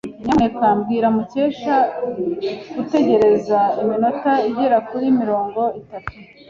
Nyamuneka bwira Mukesha gutegereza iminota igera kuri mirongo itatu.